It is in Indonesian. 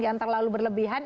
jangan terlalu berlebihan